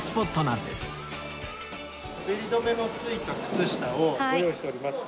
滑り止めのついた靴下をご用意しております。